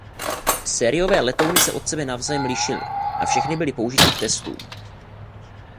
Sériové letouny se od sebe navzájem lišily a všechny byly použity k testům.